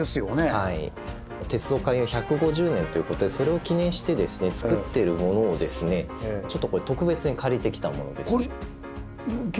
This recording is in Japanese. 鉄道開業１５０年ということでそれを記念してつくってるものをですねちょっと特別に借りてきたものです。